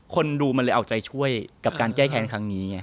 คนดูมันเลยเอาใจช่วยกับการแก้แค้นครั้งนี้ไง